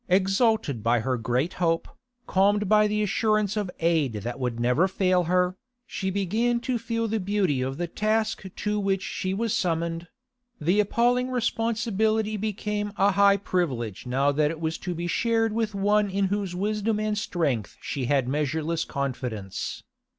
Exalted by her great hope, calmed by the assurance of aid that would never fail her, she began to feel the beauty of the task to which she was summoned; the appalling responsibility became a high privilege now that it was to be shared with one in whose wisdom and strength she had measureless confidence.